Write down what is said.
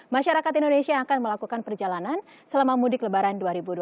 masyarakat indonesia akan melakukan perjalanan selama mudik lebaran dua ribu dua puluh